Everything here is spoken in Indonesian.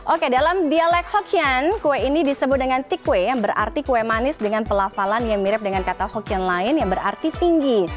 oke dalam dialek hokian kue ini disebut dengan tikway yang berarti kue manis dengan pelafalan yang mirip dengan kata hokian lain yang berarti tinggi